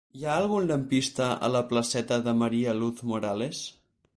Hi ha algun lampista a la placeta de María Luz Morales?